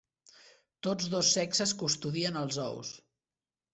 Tots dos sexes custodien els ous.